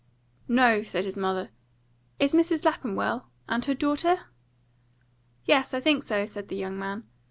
"No," said his mother. "Is Mrs. Lapham well? And her daughter?" "Yes, I think so," said the young man.